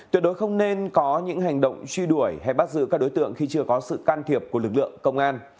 tuyệt đối không nên có những hành động truy đuổi hay bắt giữ các đối tượng khi chưa có sự can thiệp của lực lượng công an